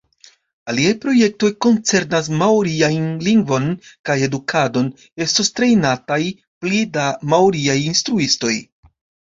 Aliaj projektoj koncernas maoriajn lingvon kaj edukadon: estos trejnataj pli da maoriaj instruistoj.